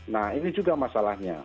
nah ini juga masalahnya